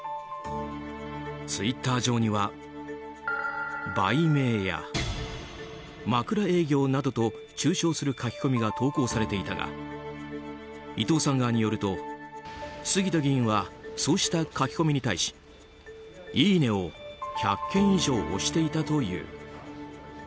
ツイッター上には売名や枕営業などと中傷する書き込みが投稿されていたが伊藤さん側によると杉田議員はそうした書き込みに対しいいねを１００件以上押していたという。